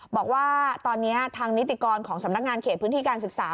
บอกว่าตอนนี้ทางนิติกรของสำนักงานเขตพื้นที่การศึกษา